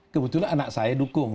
kebetulan anak saya dukung